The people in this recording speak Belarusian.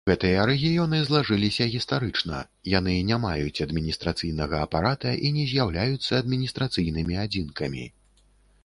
Гэтыя рэгіёны злажыліся гістарычна, яны не маюць адміністрацыйнага апарата і не з'яўляюцца адміністрацыйнымі адзінкамі.